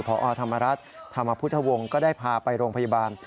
พอธรรมรัฐธรรมพุทธวงศ์ก็ได้พาไปโรงพยาบาล